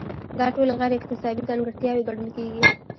دا ټولې غیر اکتسابي ځانګړتیاوې ګڼل کیږي.